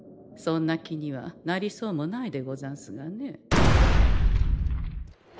そんな気にはなりそうもないでござんすがね。